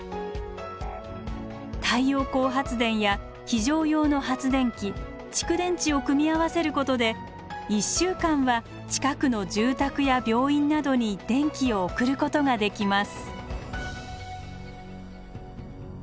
太陽光発電や非常用の発電機蓄電池を組み合わせることで１週間は近くの住宅や病院などに電気を送ることができます。